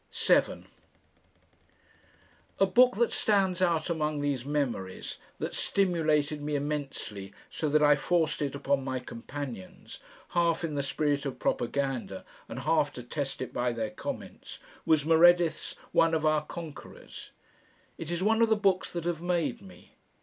7 A book that stands out among these memories, that stimulated me immensely so that I forced it upon my companions, half in the spirit of propaganda and half to test it by their comments, was Meredith's ONE OF OUR CONQUERORS. It is one of the books that have made me.